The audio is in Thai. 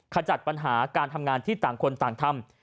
ขจัดปัญหาการทำงานที่ต่างคนต่างทำ